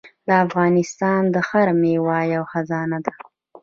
د افغانستان هره میوه یوه خزانه ده.